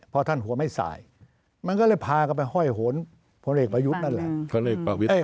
เพราะท่านหัวไม่สายมันก็เลยพากลับมาห้อยโหนพลเอกประวิทธิ์